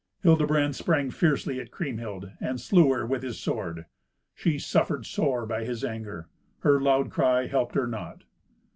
Hildebrand sprang fiercely at Kriemhild, and slew her with his sword. She suffered sore by his anger. Her loud cry helped her not.